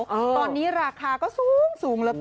ตอนนี้ราคาก็ศูงสูง